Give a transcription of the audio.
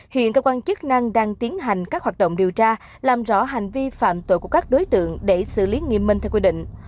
hiện cơ quan chức năng đang tiến hành các hoạt động điều tra làm rõ hành vi phạm tội của các đối tượng để xử lý nghiêm minh theo quy định